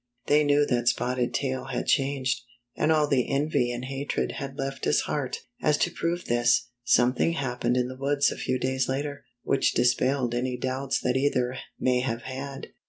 They knew that Spotted Tail had changed, and all the envy and hatred had left his heart. As if to prove this, something happened in the woods a few days later, which dispelled any doubts that either may have had.